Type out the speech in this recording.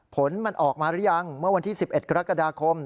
ผลมันออกมาหรือยังเมื่อวันที่๑๑กรกฎาคม